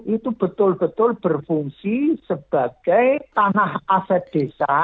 itu betul betul berfungsi sebagai tanah aset desa